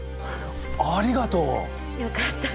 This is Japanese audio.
ありがとう！よかったです。